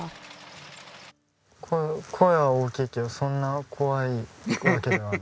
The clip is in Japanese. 声は大きいけどそんな怖いわけではない。